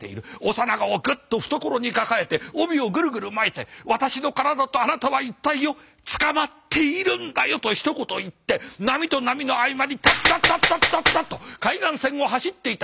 幼子をぐっと懐に抱えて帯をぐるぐる巻いて「私の体とあなたは一体よつかまっているんだよ」とひと言言って波と波の合間にタッタッタッタッタッタッと海岸線を走っていた。